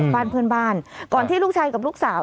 บ้านเพื่อนบ้านก่อนที่ลูกชายกับลูกสาว